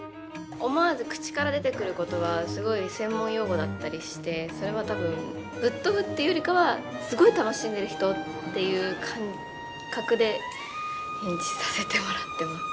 思わず口から出てくる言葉はすごい専門用語だったりしてそれは多分ぶっ飛ぶっていうよりかはすごい楽しんでる人っていう感覚で演じさせてもらってます。